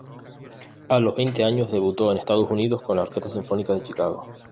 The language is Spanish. A los veinte años debutó en Estados Unidos con la Orquesta Sinfónica de Chicago.